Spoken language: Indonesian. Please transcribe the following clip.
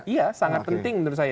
iya sangat penting menurut saya